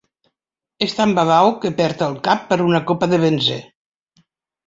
És tan babau que perd el cap per una copa de benzè.